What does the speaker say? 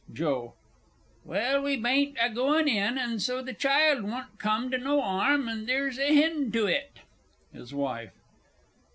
JOE. Well we bain't a gooin' in, and so th' child wun't come to no 'arm, and theer's a hend on it! HIS WIFE.